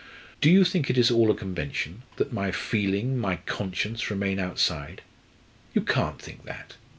Do you think it is all a convention that my feeling, my conscience, remain outside? You can't think that!